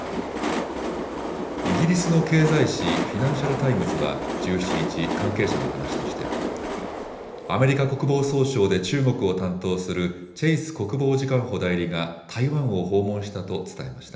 イギリスの経済紙、フィナンシャル・タイムズは１７日、関係者の話としてアメリカ国防総省で中国を担当するチェイス国防次官補代理が台湾を訪問したと伝えました。